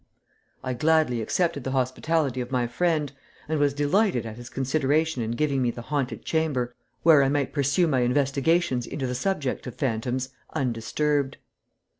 I gladly accepted the hospitality of my friend, and was delighted at his consideration in giving me the haunted chamber, where I might pursue my investigations into the subject of phantoms undisturbed.